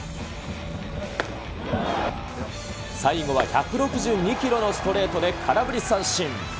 最後は１６２キロのストレートで空振り三振。